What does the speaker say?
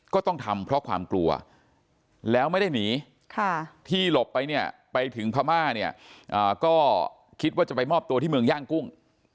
ก็ต้องทำเพราะความกลัวแล้วไม่ได้หนีที่หลบไปเนี่ยไปถึงพม่าเนี่ยก็คิดว่าจะไปมอบตัวที่เมืองย่างกุ้ง